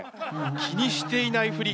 気にしていないふり。